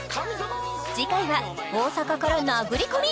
次回は大阪から殴り込み